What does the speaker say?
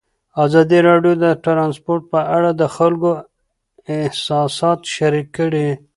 ازادي راډیو د ترانسپورټ په اړه د خلکو احساسات شریک کړي.